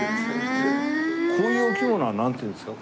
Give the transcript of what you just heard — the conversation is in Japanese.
こういうお着物はなんていうんですか？